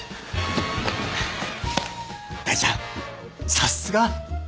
大ちゃんさっすが。